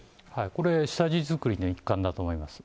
これ、下地作りの一環だと思います。